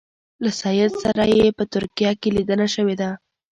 له سید سره یې په ترکیه کې لیدنه شوې ده.